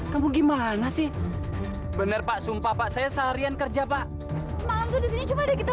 kamu gimana sih bener pak sumpah pak saya seharian kerja pak malam ini cuma ada kita